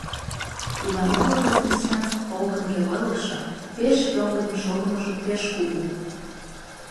Иваново-Вознесенск полкын геройлыкшо, пеш йоҥгыдын шогымыжо пеш кугу...